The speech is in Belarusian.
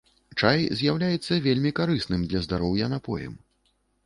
Чай з'яўляецца вельмі карысным для здароўя напоем.